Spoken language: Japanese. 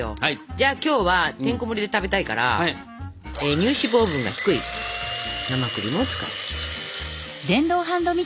じゃあ今日はてんこもりで食べたいから乳脂肪分が低い生クリームを使います。